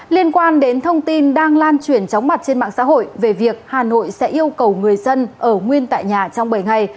liên quan đến thông tin đang lan truyền chóng mặt trên mạng xã hội về việc hà nội sẽ yêu cầu người dân ở nguyên tại nhà trong bảy ngày